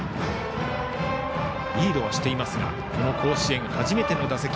リードはしていますが甲子園初めての打席。